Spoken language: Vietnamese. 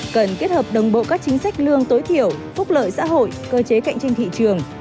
cần kết hợp đồng bộ các chính sách lương tối thiểu phúc lợi xã hội cơ chế cạnh tranh thị trường